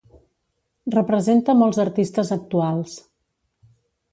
Representa molts artistes actuals.